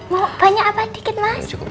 mau banyak apa dikit masuk